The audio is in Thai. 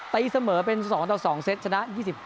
ตีเสมอเป็น๒ต่อ๒เซตชนะ๒๙